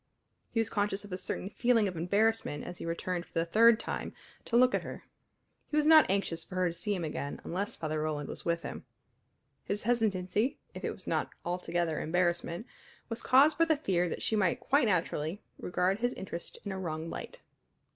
He was conscious of a certain feeling of embarrassment as he returned for the third time to look at her. He was not anxious for her to see him again unless Father Roland was with him. His hesitancy, if it was not altogether embarrassment, was caused by the fear that she might quite naturally regard his interest in a wrong light.